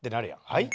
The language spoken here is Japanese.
「はい？」。